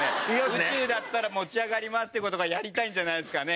宇宙だったら持ち上がりますっていう事がやりたいんじゃないですかね。